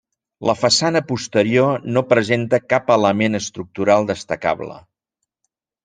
La façana posterior no presenta cap element estructural destacable.